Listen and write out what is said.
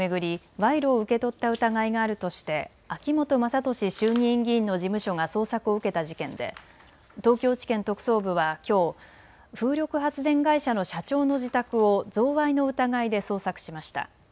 賄賂を受け取った疑いがあるとして秋本真利衆議院議員の事務所が捜索を受けた事件で東京地検特捜部はきょう風力発電会社の社長の自宅を贈賄の疑いで捜索しました。